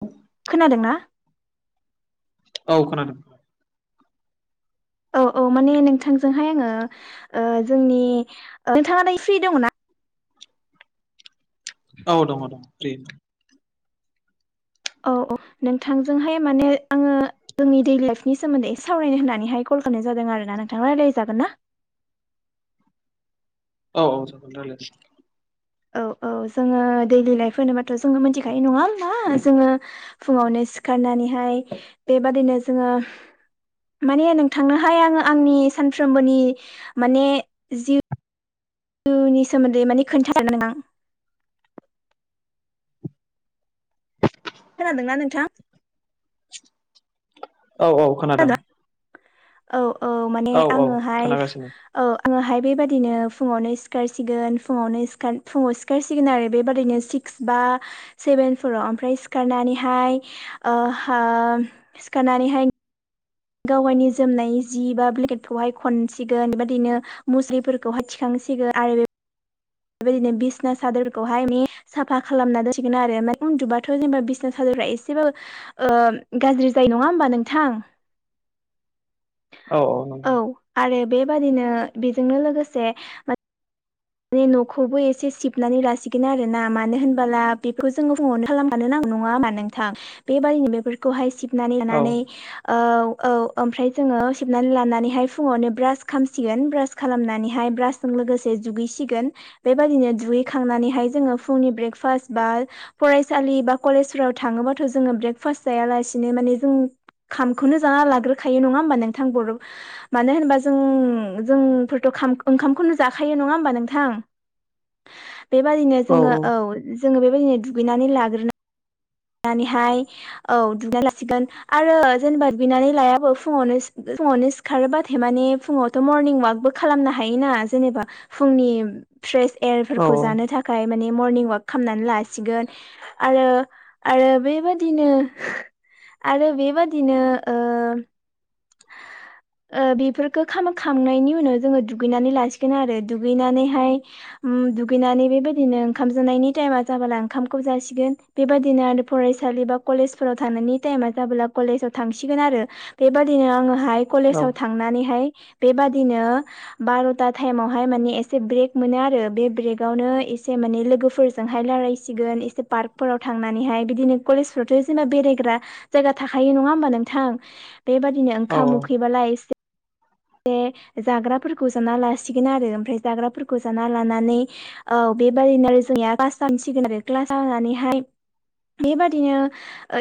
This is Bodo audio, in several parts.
औ। खोनादों ना? औ खानादों? औ औ माने नोंथांजोंहाय आङो ओ जोंनि नोंथाङा नै फ्रि दङ ना? औ दङ दङ। औ औ नोंथांजोंहाय माने आङो। जोंनि दैइलि लाइफनि सोमोन्दै एसे सावरायनायनो होननानैहाय कलनाय जादों आरो ना नोंथाङा रायज्लायजागोन ना। औ औ जागोन रायलाय औ औ जोङो दैलि लाइफ होनोबाथ' जोङो मिथिखायो नङा होमबा जोङो फुङावनो सिखारनानैहाय बेबादिनो जोङो माने नोंथांनोहाय आङो आंनि सानफ्रोमबोनि माने जिउ जनि सोमोन्दै माने खोन्थादोंनो नों आं खोनादोंना नोंथां औ औ खोनादों औ औ माने औ आङोहाय खोनागासिनो औ आङोहाय बेबाददिनो फुङावनो सिखारसिगोन फुङावनो फुङाव सिखारसिगोन आरो बेबायदिनो बा सेभेन फराव मफ्राय सिखारनानैहाय सिखारनानैहाय गावायनि जोमनाय जि बा ब्लेकेटखौहाय खनसिगोन बेबादिनो मुस्रिफोरखौहाय थिखांसिगोन आरो बे बेबायदिनो बिसना सादोरखौहाय मे साफा खालामना दासिगोन आरो म उन्दुबाथ' जेनेबा बिसना हाजरफ्रा एसेबाबो गाज्रि जायो नङा होमबा नोंथां औ नंगौ औ आरो बेबादिनो बेजोंनो लोगोसे माने न'खौबो एसे सिबनानै लासिगोन आरो ना मानो होनबोला बेखौ जोङो फुङावनो खालामखानो नांगौ नङा हामा नोंथां बेबायादिनो बेफोरखौहाय सिबनानै औ लानानै औ औ ओमफ्राय जोङो सेबनानै लानानैहाय फुङावनो ब्रास खालामसिगोन ब्रास खालामनानैहाय ब्रास जों लोगोसे दुगैसिगोन बेबायदिनो दुगैखांनानैहाय जोङो फुंनि ब्रेकफास्ट बा फरायसालि बा कलेजफोराव थाङोबाथ' जोङो ब्रेकफास्ट जायालासिनो माने जोङो खामखौनो जाना लाग्रोखायो नङा होमबा नोंथां बर' मानो होनबा जों जोंफोरथ' ओंखामखौनो जाखायो नङा होमबा नों बेबायदिनो जोो औ जोो बेबायनो दुगैनानै लाग्रोन लानानैहाय औ दुनानै लासिगोन आरो जेनेबा बिनानै लायाबो फुङावनो फुङावनो खारोबाथाय माने फुङावथ' मरनिं अवाकबो खालामनो हायोना जेनेबा फुंनि फ्रेश औ एयारफोरखौ जानो थाखाय माने मर्निं अवाक खालामनानै लासिगोन आरो आरो बेबादिनो आरो बेबादिनो बेफोरखौ खखांनायनि उनाव जोङो दुगैनानै लासिगोन आरो दुगैनानैहाय दुगैनानै बेबायदिनो ओंखाम जानायनि टाइमा जाबोला ओंखामखौ जासिगोन बेबायदिनो आरो फरायसालि बा कलेजफोराव थांनायनि टाइमा जाबोला कलेजाव थांसिगोन आरो बेबादि बिदिनो आङोहाय कलेजाव थांनानैहाय बेबादिनो बार'था टाइमावहाय माने एसे ब्रेक मोनो आरो बे ब्रेकावनो एसे माने लोगोफोर जोंहाय रायज्लायसिगोन एसे पार्कफोराव थांनानैहाय बिदिनो कलेजफोरावथ' जेनबा बेरायग्रा जायगा थाखायो नङा होमबा नोंथां बेबायादिनो औ ओंखाम उखैबालाय एसे बे जाग्राफोरखौ जाना लासिगोन आरो ओमफ्राय जाग्राफोरखौ जाना लानानै औ बेबादिनो आरो जोंनिया क्लास जानसिगोन आरो क्लास जानानैहाय बेबादिनो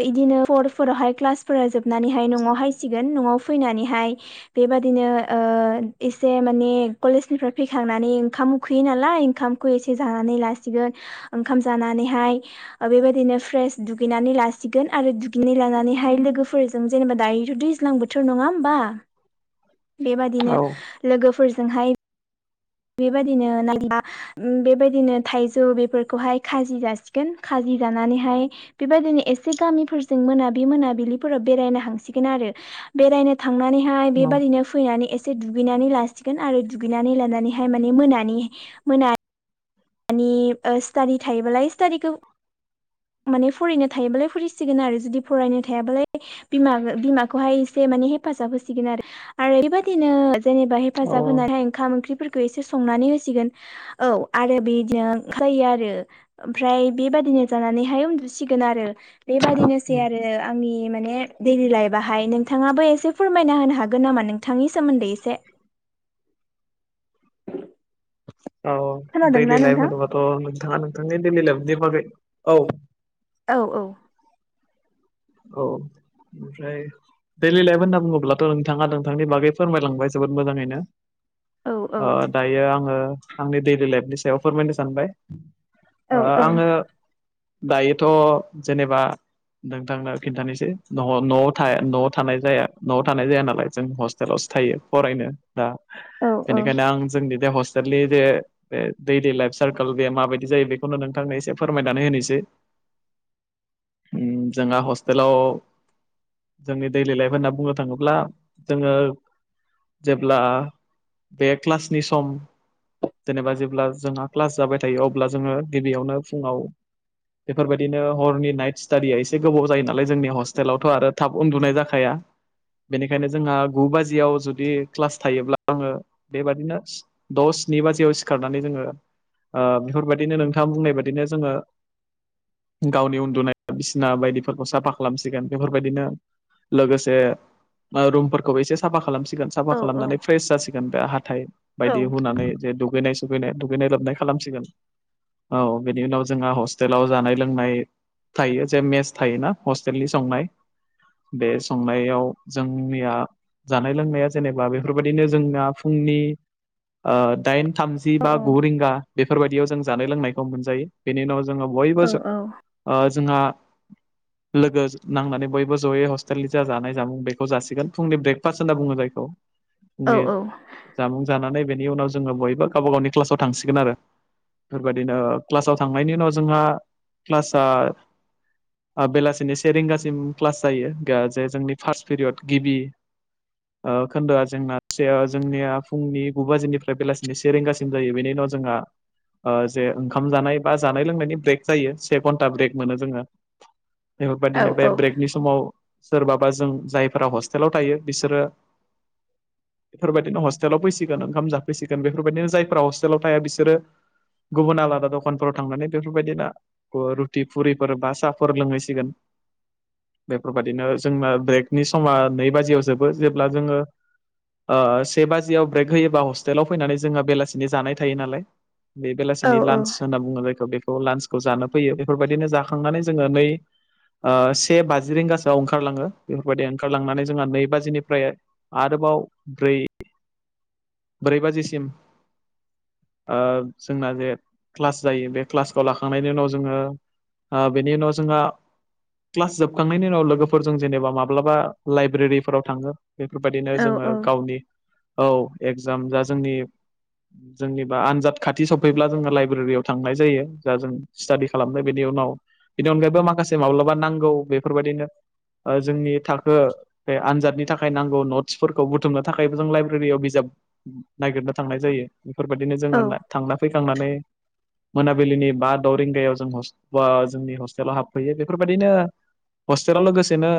इदिनो फर फावहाय क्लासफोरा जोबनानैहाय न'आव हायसिगोन न'आव फैनानैहाय बेबाय बिदिनो एसे माने कलेजनिफ्राय फैखांनानै ओंखाम उखैयो नालाय ओंखाम खौ एसे जानानै लासिगोन ओंखाम जानानैहाय बेबायदिनो फ्रेस दुगैनानै लासिगोन आरो दुगैनाय लानानैहाय लोगोफोरजों जेनेबा दायोथ' दैज्लां बोथोर नङा होमबा बेबादिनो लोगोफोरजोंहाय बेबायदिनो नायला बेबायदिनो थाइजौ बेफोरखौहाय खाजि जासिगोन खाजि जानानैहाय बेबायदिनो एसे गामिफोरजों मोनाबि मोनाबिलिफोराव बेरायनो हांसिगोन आरो बेरायनो थांनानैहाय बेबादिनो फैनानै एसे दुगैनानै लासिगोन आरो दुगैनानै लानानैहाय हाय माने मोनानि मोना मानि स्टाादि थायोबालाय स्टाादिखौ माने फरायनो थायोबालाय फरायिसिगोन आरो जुदि फरायनो थायाबालाय बिमा बिमाखौहाय एसे माने हेफाजाब होसिगोन आरो आरो बेबायदिनो जेनेबा औ हेफाजाब होनानै ओंखाम ओंख्रिफोरखौ एसे संनानै होसिगोन औ आरो बेदिनो ओंखारलायो आरो ओमफ्राय बेबादिनो जानानैहाय उन्दुसिगोन आरो। बेबादिनोसै आरो आंनि माने दैडलि लाइफआ। हाय नोंथाङाबो एसे फोरमायना होनो हागोन नामा नोंथांनि सोमोन्दै एसे। औ खोनादोंना दैलि लाइफ नोंथां? होनोबाथ' नोंथाङा नोंथांनि दैडलि लाइफनि बागै औ औ औ औ ओमफ्राय दैडलि लाइफ होनना बुङोब्लाथ' नोंथाङा नोंथांनि बागै फोरमायलांबाय जोबोद मोजाङैनो। ओ औ दायो आङो आंनि दैडलि लाइफनि सायाव फोरमायनो सानबाय। औ ओ आङो दायोथ' जेनेबा नोंथांनो खिन्थानोसै न न' न'आव थानाय जाया न'आव थानाय जाया नालाय जों हस्टेलावसो थायो फरायनो। दा औ औ बेनिखायनो आं जोंनि दा हस फिलि जे बे दैलि लाइफ सार्कोल बे माबायदि जायो बेखौनो नोंथांनो एसे फोरमायनानै होनोसै। जोंहा हस्टेलाव जोंनि दैलि लाइफ होनना बुंनो थाङोब्ला जोङो जेब्ला बे क्लासनि सम जेनेबा जेब्ला जोंहा क्लास जाबाय थायो अब्ला जोङो गिबियावनो फुङाव बेफोरबायदिनो हरनि नाइट स्टाडिया एसे गोबाव जायो नालाय जोंनि हस्टेलावथ' आरो थाब उन्दुनाय जाखाया। बेनिखायनो जोंहा गु बाजियाव जुदि क्लास थायोब्ला आङो बेबादिनो दस स्नि बाजियाव सिखारनानै जोङो ओ बेफोरबायदिनो नोंथाङा बुंनाय बाददिनो जोङो गावनि उन्दुनाय बिसिना बायदि फोरखौ साफा खालामसिगोन बेफोरबायदिनो लोगोसे रुमफोरखौ एसे साफा खालामसिगोन। साफा औ खालामनानै फ्रेस जासिगोन बे हाथाय औ बायदि हुनानै जे दुगैनाय दुगैनाय दुगैनाय लोबनाय खालामसिगोन। औ बेनि उनाव जोंहा हस्टेलाव जानाय लोंनाय थायो जे मेस थायोना हस्टेलनि संनाय बे संनायाव जोंनिया जानाय लोंनाया जेनेबा बेफोरबायदिनो जोंना फुंनि ओ दाइन थामजि बा गु रिंगा बेफोरबायदियाव जों जानाय लोंनायखौ मोनजायो। बेनि उनाव जोङो बयबो औ ओ जोंहा लोगो नांनानै बयबो जयै हस्टेलनि जा जानाय जामुं बेखौ जासिगोन फुंनि ब्रेकफास्ट होनना बुङो जायखौ। औ फुंनि औ जामुं जानानै बेनि उनाव जोङो बयबो गावबा गावनि क्लासाव थांसिगोन आरो। बेफोरबायदिनो क्लासाव थांनायनि उनाव जोंहा क्लासआ बेलासिनि से रिंगासिम क्लास जायो जे जोंनि फार्स्ट पिरियद गिबि ओ खोन्दोआ जोंना जोंनिया फुंनि गु बाजिनिफ्राय बेलासिनि से सेरिंगासिम जायो बेनि उनाव जोंहा ओ जे ओंखाम जानाय बा जानाय लोंनायनि ब्रेक जायो से घन्टा ब्रेक मोनो जोङो। औ बेफोरबायदिनो बे ब्रेकनि समाव सोरबाबा जों जायफोरा हस्टेलाव थायो बिसोरो बेफोरबायदिनो हस्टेलाव फैसिगोन ओंखाम जाफैसिगोन बेफोरबायदिनो जायफ्रा हस्टेलाव थाया बिसोरो गुबुन आलादा दखानफोराव थांनानै बेफोरबायदिना रुटि फुरिफोर बा सा फो फोर लोंहैसिगोन। बेफोरबायदिनो जोंना ब्रेकनि समा नै बाजियाव जोबो जेब्ला जोङो ओ से बाजियाव ब्रेक होयोबा हस्टेलाव फैनानै जोंहा बेलासिनि जानाय थायो नालाय। बे बेलासिनि लान्स होनना बुङो जायखौ बेखौ लान्सखौ जानो फैयो बेफोरबायदिनो जाखांनानै जोङो नै से बाजि रिंगासोआव ओंखारलाङो बेफोरबायदि ओंखारलांनानै जोंहा नै बाजिनिफ्राय आरोबाव ब्रै ब्रै बाजिसिम जोंना जे क्लास जायो बे क्लासखौ लाखांनायनि उनाव जोङो बेनि उनाव जोंहा क्लास जोबखांनायनि उनाव लोगोफोरजों जेनेबा माब्लाबा लाइब्रेरिफोराव थाङो बेफोरबायदिनो जोङो गावनि औ एक्जाम जा जोंनि जोंनिबा आनजाद खाथि सफैब्ला जोङो लाइब्रेरियाव थांनाय जायो जा जों स्टाडि खालामनाय बेनि उनाव बेनि अनगायैबो माखासे माब्लाबा नांगौ बेफोरबायदिनो जोंनि थाखो बे आनजादनि थाखाय नांगौ नट्सफोरखौ बुथुमनो थाखायबो जों लाइब्रेरियाव बिजाब नायागिरनो थांनाय जायो बेफोरबायदिनो जोङो थांना फैखांनानै मोनाबिलिनि बा द रिंगायाव जों हस बा जोंनि हस्टेलाव हाबफैयो बेफोरबायदिनो हस्टेलाव लोगोसेनो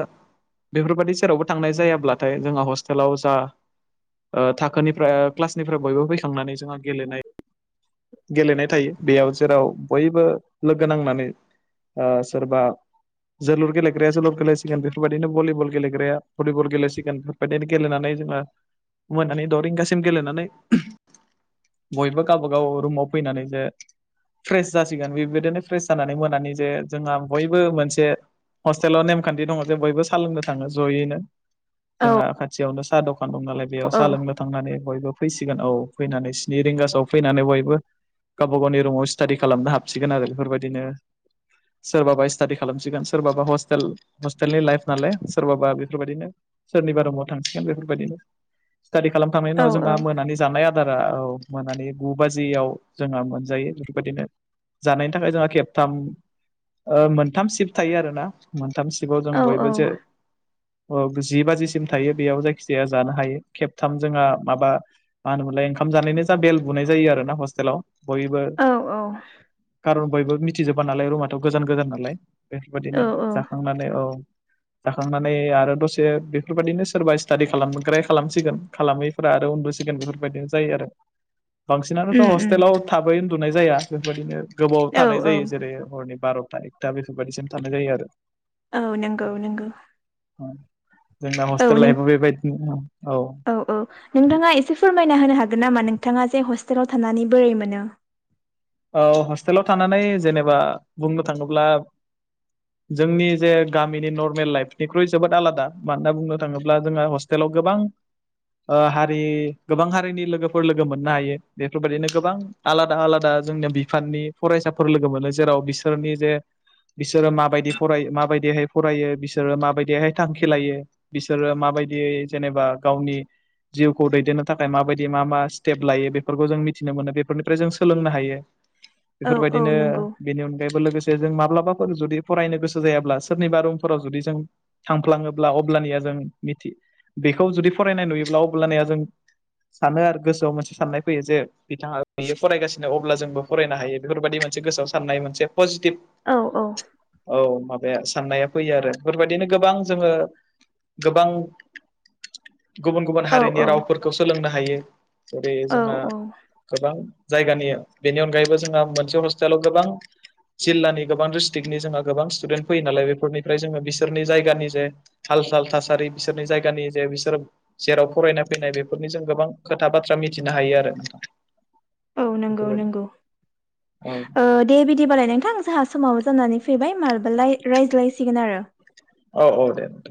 बेफोरबादि जेरावबो थांनाय जायाब्लाथाय जोंहा हस्टेलाव जा था खोनिफ्राय क्लासनिफ्राय बयबो फै थांनानै जोंहा गेलेनाय गेलेनाय थायो बेयाव जेराव बयबो लोगो नांनानै ओ सोरबा जोलुर गेलेग्राया जोलुर गेलेसिगोन बेफोरबायदिनो भलिबल गेलेग्राया भिबल गेलेसिगोन बे बेदिनो गेलेनानै जोङो मोनानि द' रिंगासिम गेलेनानै बयबो गावबाागाव रुमाव फैनानै जे फ्रेस जासिगोन बेबायदिनो फ्रेस जानानै मोनानि जे जोंहा बयबो मोनसे हस्टेलाव नेमखान्थि दङ जों बयबो सा लोंनो थाङो जयैनो जोंहा खाथियावनो साहा दखान दं नालाय बेयाव साहा लोंनो थांनानै बयबो फैसिगोन औ फैनानै स्नि रिंगासोआव फैनानै बयबो गावबा गावनि रुमाव स्टाडि खालामनो हाबसिगोन आरो बेफोरबायदिनो सोरबाबा स्टाडि खालामसिगोन सोरबाबा हस्टेल हस्टेलनि लाइफ नालाय सोरबाबा बेफोरबायदिनो सोरनिबा राव थांसिगोन बेफोरबायदिनो स्टाडि खालामखांनायनि उनाव जोंहा मोनानि जानाय आदारा औ मोनानि गु बाजियाव जोंहा मोनजायो बेफोरबायदिनो जानायनि थाखाय जोंहा खेबथाम ओ मोनथाम सिफ्ट थायो आरोना मोनथाम सिबाव जों बयबो औ जे ओ जि बाजिसिम थायो बेयाव जायखिजाया जानो हायो खेबथाम जोंहा माबा मा होनोमोनलाय ओंखाम जानायनि जा बेल बुनाय जायो आरो ना हस्टेलाव बयबो औ कारन बयबो मिथिजोबा नालाय रुमाथ' गोजान गोजान नालाय औ बेफोरबायदिनो जाखांनानै औ जाखांनानै आरो दसे बेफोरबायदिनो सोरबा स्टाादि खालामग्राया खालामसिगोन खालामैफोरा आरो उन्दुसिगोन बेफोरबायदिनो जायो आरो बांसिनानोथ' उम उम हस्टेलाव थाबै उन्दुनाय जाया बेबायदिनो गोबाव औ थानाय जायो जेरै हरनि बार'था एक दा बेफोरबायदिसिम थानाय जायो आरो औ नंगौ नंगौ जोंना औ हस्टेल नों लाइफाव बेबायदिनो औ औ औ नोंथाङा एसे फोरमायना होनो हागोन नामा नोंथाङा जे हस्टेलाव थानानै बोरै मोनो? औ हस्टेलाव थानानै जेनेबा बुंनो थाङोब्ला जोंनि जे गामिनि नर्मेल लाइफनिख्रुइ जोबोद आलादा मानोना बुंनो थाङोब्ला जोंहा हस्टेलाव गोबां ओ हारि गोबां हारिनि लोगोफोर लोगो मोननो हायो बेफोरबायदिनो गोबां आलादा आलादा जोंनिया बिफाननि फरायसाफोर लोगो मोनो जेराव बिसोरनि जे बिसोरो माबायदि फरायो माबायदिहाय फरायो बिसोरो माबायदिहाय थांखि लायो बिसोरो माबायदियै जेनेबा गावनि जिउखौ दैदेननो थाखाय माबायदि मा मा स्टेप लायो बेफोरखौ जों मिथिनो मोनो बेफोरनिफ्राय जों सोलोंनो हायो औ बेफोरबायदिनो औ नंगौ बेनि अनगायैबो लोगोसे जे जों माब्लाबाफोर जुदि फरायनो गोसो जायाब्ला सोरनिबा रुमफोराव जुदि जों थांफ्लाङोब्ला अब्लानिया जों मिथि बेखौ जुदि फरायनाय नुयोब्ला अब्लानिया जों। सानो आरो गोसोआव मोनसे साननाय फैयो जे बिथाङा बेयो फरायगासिनो अ अब्ला जोंबो फरायनो हायो बेफोरबायदि मोनसे गोसोआव साननाय मोनसे पजिटिभ। औ औ। औ माबाया साननाया फैयो आरो बेफोरबायदिनो गोबां जोङो। गोबां गुबुन गुबुन औ हारिनि रावफोरखौ सोलोंनो हायो। जेरै औ जोंहा औ गोबां जायगानि बेनि अनगायैबो जोंहा मोनसे हस्टेलाव गोबां। जिल्लानि गोबां डिस्ट्रिक्टनि जोंहा गोबां स्टुडेन्ट फैयो नालाय बेफोरनिफ्राय जोङो बिसोरनि जायगानि जे हाल साल थासारि बिसोरनि जायगानि जे बिसोर। जेराव फरायनाय फैनाय बेफोरनि जों गोबां खोथा बाथ्रा मिथिनो हायो आरो। औ नंगौ बेफोरबायदि नंगौ औ ओ दे बिदिबालाय नोंथां जोंहा समावबो जानानै फैबाय मालाबा रायज्लायसिगोन आरो। औ औ दे दे।